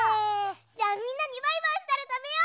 じゃあみんなにバイバイしたらたべよう！